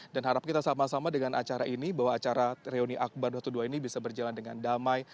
dan harap kita sama sama dengan acara ini bahwa acara reuni akbar dua puluh dua ini bisa berjalan dengan damai